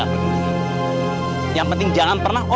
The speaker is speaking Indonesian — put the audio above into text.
aida kita pergi